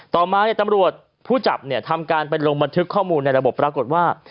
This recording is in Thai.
ต่อมาตำรวจผู้จับเนี่ยทำการไปลงบันทึกข้อมูลในระบบปรากฏว่า